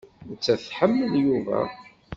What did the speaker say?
Nettat tḥemmel Yuba.